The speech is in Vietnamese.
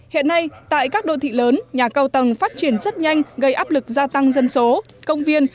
hiện nay tại các đô thị lớn nhà cao tầng phát triển rất nhanh gây áp lực gia tăng dân số công viên